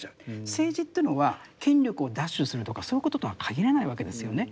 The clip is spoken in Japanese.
政治というのは権力を奪取するとかそういうこととは限らないわけですよね。